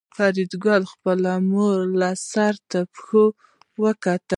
فریدګل خپله مور له سر تر پښو وکتله